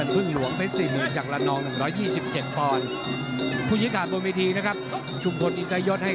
เพลงจะต้องที่สุด